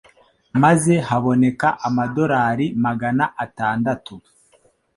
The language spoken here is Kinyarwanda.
maze haboneka amadolari magana atandatu